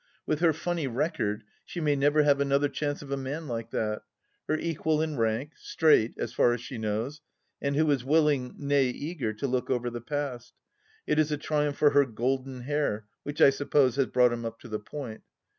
With her funny record she may never have another chance of a man like that: her equal in rank, straight, as far as she knows, and who is willing, nay eager, to look over the past. It is a triumph for her golden hair, which I suppose has brought him up to the point?